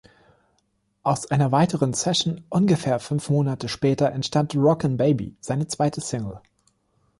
Aus einer weiteren Session ungefähr fünf Monate später entstand "Rockin‘ Baby", seine zweite Single.